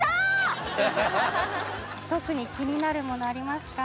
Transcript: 特に気になるものありますか？